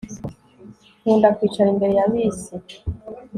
Nkunda kwicara imbere ya bisi